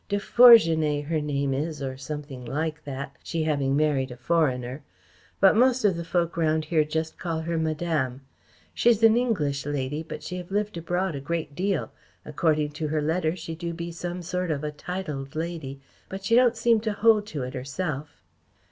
De Fourgenet, her name is or something like that she having married a foreigner. But most of the folk round here just call her 'Madame.' She's an English lady but she have lived abroad a great deal. According to her letters she do be some sort of a titled lady, but she don't seem to hold to it herself."